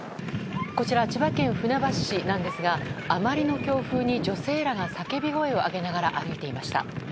こちらは千葉県船橋市ですがあまりの強風に女性らが叫び声をあげながら歩いていました。